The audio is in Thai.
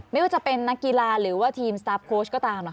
ไม่ว่าจะเป็นนักกีฬาหรือว่าทีมสตาร์ฟโค้ชก็ตาม